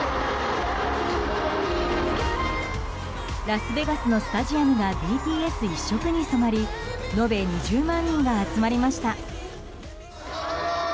ラスベガスのスタジアムがＢＴＳ一色に染まり延べ２０万人が集まりました。